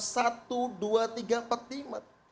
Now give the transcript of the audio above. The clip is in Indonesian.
satu dua tiga petimat